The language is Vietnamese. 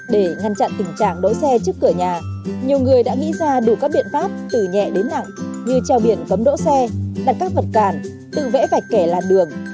để ngăn chặn tình trạng đỗ xe trước cửa nhà nhiều người đã nghĩ ra đủ các biện pháp từ nhẹ đến nặng như treo biển cấm đỗ xe đặt các vật cản tự vẽ vạch kẻ làn đường